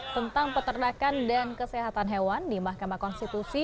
tentang peternakan dan kesehatan hewan di mahkamah konstitusi